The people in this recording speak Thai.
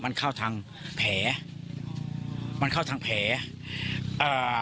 คุณสังเงียมต้องตายแล้วคุณสังเงียม